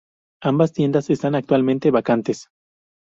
Ambas tiendas están actualmente vacantes.